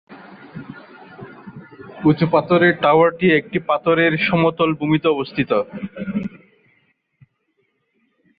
উঁচু পাথরের টাওয়ারটি একটি পাথরের সমতল ভূমিতে অবস্থিত।